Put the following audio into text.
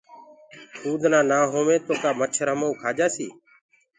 ڀمڀڻيونٚ نآ هوينٚ گو ڪآ مڇر همآ ڪوُ کآ جآسي۔